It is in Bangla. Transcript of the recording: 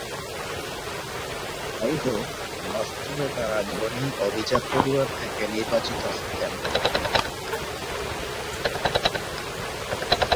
যাইহোক, বাস্তবে, তারা ধনী, অভিজাত পরিবার থেকে নির্বাচিত হতেন।